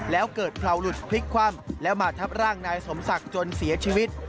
แล้วเกิดเผลาหลุดพลิกคว่ำแล้วมาทับร่างนายสมศักดิ์จนเสียชีวิต